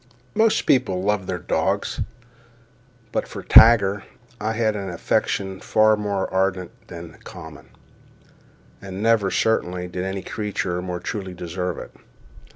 Most people love their dogs—but for Tiger I had an affection far more ardent than common; and never, certainly, did any creature more truly deserve it.